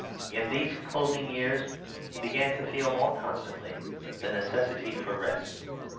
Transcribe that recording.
In these closing years he began to feel more constantly the necessity for rest.